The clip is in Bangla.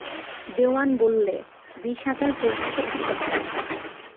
দেওয়ান বললে, বিশ হাজার পর্যন্ত উঠতে পারে।